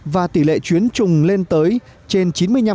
và tỷ lệ chuyến trùng lên tới trên chín mươi năm